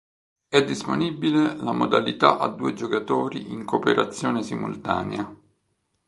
È disponibile la modalità a due giocatori in cooperazione simultanea.